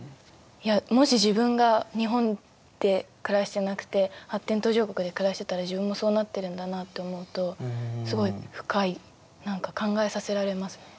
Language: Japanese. もし自分が日本で暮らしてなくて発展途上国で暮らしてたら自分もそうなってるんだなって思うとすごい深い何か考えさせられますね。